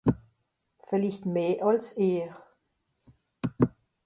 Villicht meh àls ìhr.